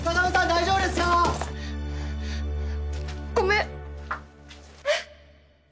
大丈夫ですか⁉ごめん。